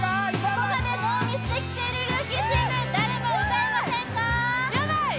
ここまでノーミスできているルーキーチーム誰も歌えませんか？